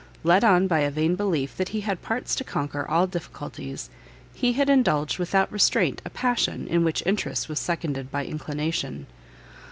Led on by a vain belief that he had parts to conquer all difficulties, he had indulged without restraint a passion in which interest was seconded by inclination.